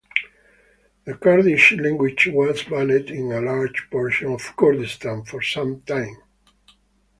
The Kurdish language was banned in a large portion of Kurdistan for some time.